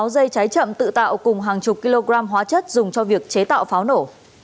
sáu dây cháy chậm tự tạo cùng hàng chục kg hóa chất dùng cho việc chế tạo pháo nổ